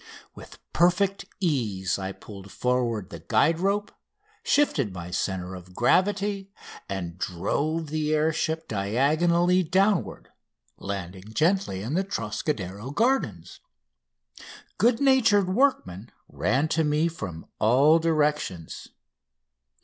With perfect ease I pulled forward the guide rope, shifted my centre of gravity, and drove the air ship diagonally downward, landing gently in the Trocadero Gardens. Good natured workmen ran to me from all directions.